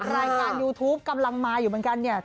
รายการยูทูปกำลังมาอยู่เหมือนกันเนี่ย